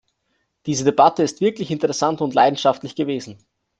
Diese Debatte ist wirklich interessant und leidenschaftlich gewesen.